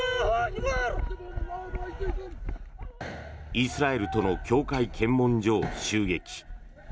イスラエルとの境界検問所を襲撃。